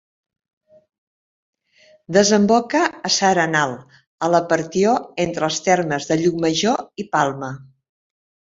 Desemboca a s'Arenal, a la partió entre els termes de Llucmajor i Palma.